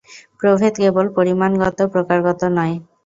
প্রভেদ কেবল পরিমাণগত, প্রকারগত নয়।